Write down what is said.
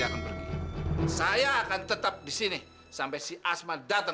kita taruh polisi dan bebaskan abah